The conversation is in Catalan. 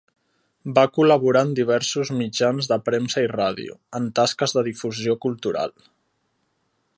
Va col·laborar en diversos mitjans de premsa i ràdio, en tasques de difusió cultural.